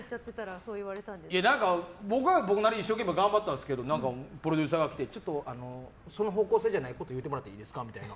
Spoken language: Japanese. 僕は僕なりに一生懸命頑張ったんですけどプロデューサーが来てちょっとその方向性じゃないこと言ってもらっていいですかみたいな。